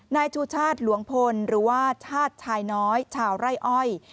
นายชูชาติหลวงพลหรือว่าชาติชายน้อยชาวไร่อ้อย